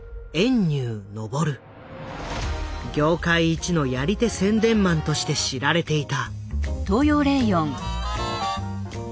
業界一のやり手宣伝マンとして知られていた。